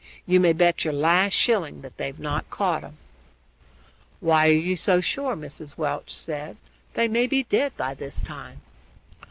"You may bet your last shilling that they're not caught 'em." "Why are you so sure?" Mrs. Welch asked. "They may be dead by this time."